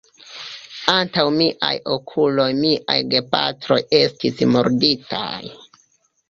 Antaŭ miaj okuloj miaj gepatroj estis murditaj.